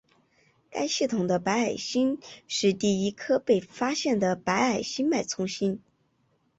该系统的白矮星是第一颗被发现的白矮星脉冲星。